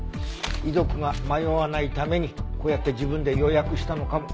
遺族が迷わないためにこうやって自分で予約したのかも。